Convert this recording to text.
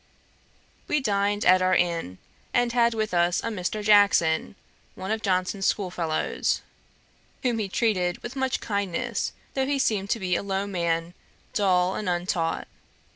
We dined at our inn, and had with us a Mr. Jackson, one of Johnson's schoolfellows, whom he treated with much kindness, though he seemed to be a low man, dull and untaught.